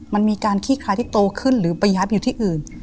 มันมีการขี้คลายที่โตขึ้นหรือไปยัดอยู่ที่อื่น